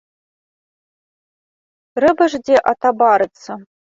Трэба ж дзе атабарыцца.